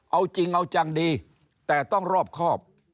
เอาจริงเอาจังดีแต่ต้องรอบครอบ